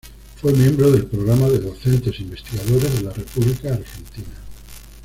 Fue miembro del Programa de Docentes Investigadores de la República Argentina.